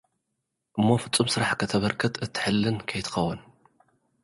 እሞ ፍጹም ስራሕ ከተበርክት እትሕልን ከይትኸውን።